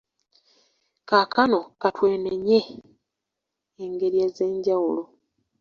Kaakano ka twekeneenye engeri ez’enjawulo